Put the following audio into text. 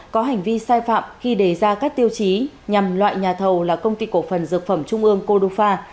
có hành vi sai phạm khi đề ra các tiêu chí nhằm loại nhà thầu là công ty cổ phần dược phẩm trung ương cô đúc pha